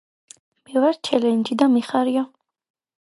მე ვარ ჩელენჯში და მიხარია